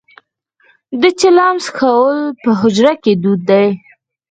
د چلم څکول په حجرو کې دود دی.